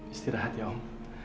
istirahat ya om